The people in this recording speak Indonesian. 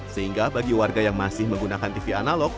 sehingga bagi warga yang masih menggunakan tv analog